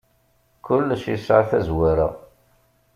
Kullec yesɛa tazwara.